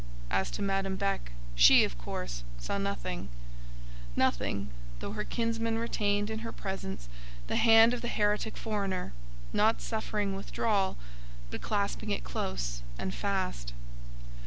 As to Madame Beck, she, of course, saw nothing—nothing; though her kinsman retained in her presence the hand of the heretic foreigner, not suffering withdrawal, but clasping it close and fast.